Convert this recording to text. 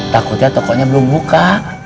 takutnya tokonya belum buka